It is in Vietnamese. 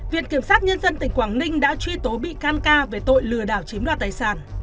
viện kiểm sát nhân dân tỉnh quảng ninh đã truy tố bị can ca về tội lừa đảo chiếm đoạt tài sản